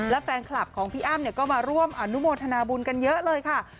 และแฟนคลับของพี่อ้ำก็มาร่วมอนุโมทนาบุญกันเยอะเลยค่ะ